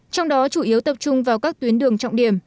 trong đó chủ yếu tập trung vào các tuyến đường trọng điểm